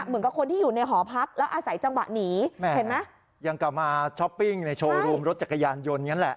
เห็นไหมยังกลับมาช้อปปิ้งในโชว์รูมรถจักรยานยนต์อย่างนั้นแหละ